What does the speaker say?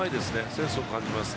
センスを感じます。